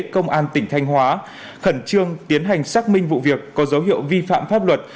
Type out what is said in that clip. công an tỉnh thanh hóa khẩn trương tiến hành xác minh vụ việc có dấu hiệu vi phạm pháp luật